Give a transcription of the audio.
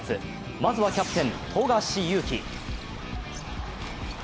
まずはキャプテン・富樫勇樹。